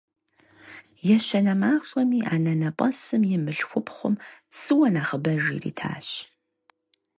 Ещанэ махуэми анэнэпӀэсым и мылъхупхъум цыуэ нэхъыбэж иритащ.